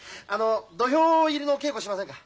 土俵入りの稽古しませんか？